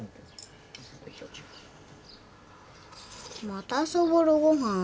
またそぼろご飯？